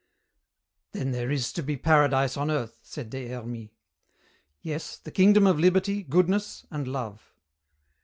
"Then there is to be Paradise on earth," said Des Hermies. "Yes, the kingdom of liberty, goodness, and love."